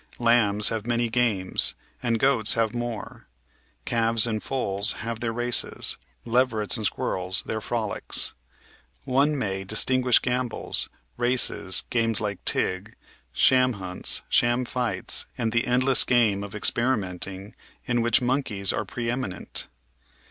Lambs have many games, and goats have more; calves and foals have their races; leverets and squirrels their frolics. One may distinguish gambols, races, games like "tig," sham hunts, sham fights, and the endless game of "experimenting" in which monkeys are pre eminent.